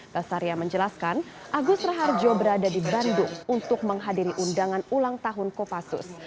basaria menjelaskan agus raharjo berada di bandung untuk menghadiri undangan ulang tahun kopassus